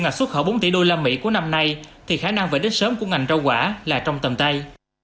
ngạch xuất khẩu bốn tỷ đô la mỹ của năm nay thì khả năng về đích sớm của ngành rau quả là trong tầm tay